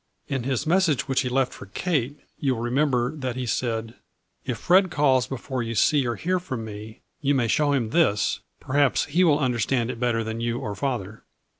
In his message which he left for Kate you will remember that he said, " If Fred calls before you see or hear from me you may show him this. Perhaps he will understand it better than you or father."